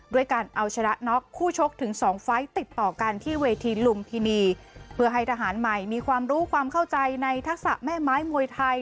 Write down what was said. ด้วยการเอาชนะน็อกคู่ชกถึงสองไฟล์ติดต่อกันที่เวทีลุมพินีเพื่อให้ทหารใหม่มีความรู้ความเข้าใจในทักษะแม่ไม้มวยไทย